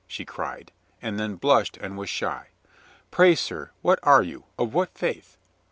she cried, and then blushed and was shy. "Pray, sir, what are you ? Of what faith ?"